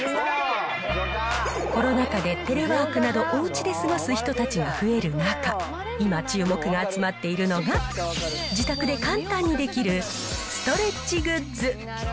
コロナ禍でテレワークなど、おうちで過ごす人たちが増える中、今、注目が集まっているのが自宅で簡単にできるストレッチグッズ。